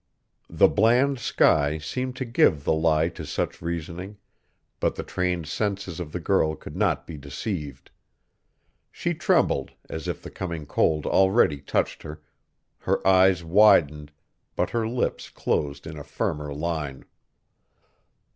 The bland sky seemed to give the lie to such reasoning, but the trained senses of the girl could not be deceived. She trembled as if the coming cold already touched her; her eyes widened, but her lips closed in a firmer line.